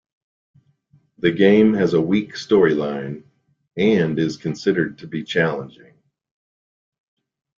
The game has a weak storyline, and is considered to be challenging.